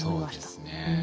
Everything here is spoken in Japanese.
そうですね。